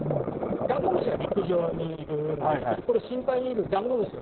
ダンゴムシは陸上にいるんですけどこれ深海にいるダンゴムシの仲間ですね。